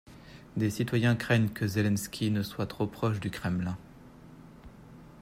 Des citoyens craignent que Zelensky ne soit trop proche du Kremlin.